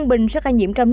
bến tre sáu